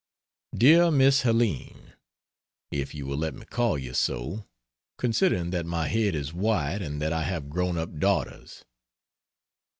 DEAR MISS HELENE, If you will let me call you so, considering that my head is white and that I have grownup daughters.